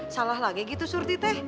salah lagi gitu surti teh